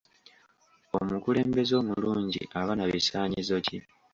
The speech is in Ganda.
Omukulembeze omulungi aba na bisaanyizo ki?